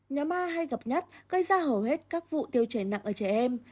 nhóm a hay gặp nhất gây ra hầu hết các vụ tiêu chảy nặng ở trẻ em